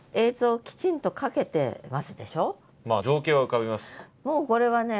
まあ情景は浮かびます。